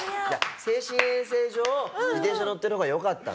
精神衛生上自転車乗ってる方がよかったんだね。